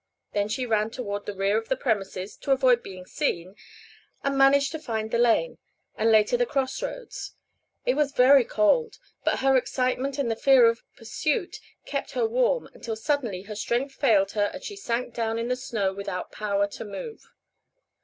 Then she ran toward the rear of the premises to avoid being seen and managed to find the lane, and later the cross roads. It was very cold, but her excitement and the fear of pursuit kept her warm until suddenly her strength failed her and she sank down in the snow without power to move.